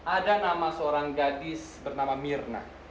ada nama seorang gadis bernama mirna